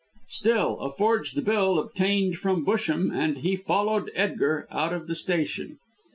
"Still, a forged bill, obtained from Busham, and he followed Edgar out of the station.